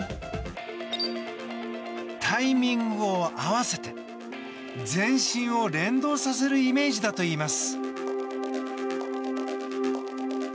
タイミングを合わせて全身を連動させるイメージだといいます。